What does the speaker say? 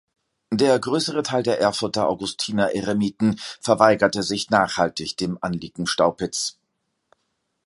Der größere Teil der Erfurter Augustinereremiten verweigerte sich nachhaltig dem Anliegen Staupitz’.